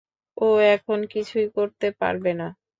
ও এখন কিছুই করতে পারবে না।